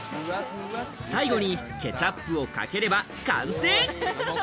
最後にケチャップをかければ完成。